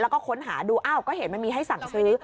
แล้วก็ค้นหาดูอ้าวก็เห็นมันมีให้สั่งซื้อ